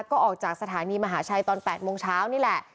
ก็ออกจากสถานีมหาชัยตอน๘โมงเช้านี่แหละ